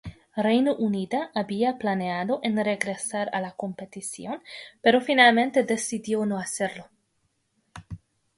Reino Unido había planeado en regresar a la competición, pero finalmente decidió no hacerlo.